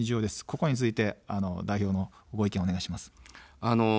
ここについて代表のご意見をお願いします。